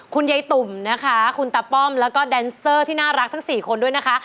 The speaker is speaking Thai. คุณยายตุ่มนะคะคุณตาป้อมแล้วก็แดนเซอร์ที่น่ารักทั้ง๔คนด้วยนะคะ